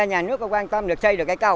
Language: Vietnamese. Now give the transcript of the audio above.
nhà nước có quan tâm được xây được cây cầu